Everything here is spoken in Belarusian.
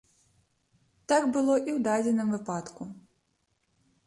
Так было і ў дадзеным выпадку.